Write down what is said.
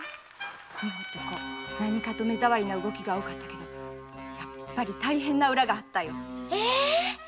何かと目障りな動きが多かったけどやっぱり大変なウラがあったよ。え？